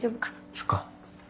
そっか。